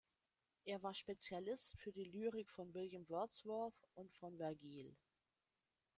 Er war Spezialist für die Lyrik von William Wordsworth und von Vergil.